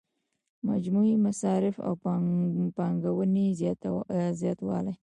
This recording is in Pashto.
مجموعي مصارفو او پانګونې زیاتوالی.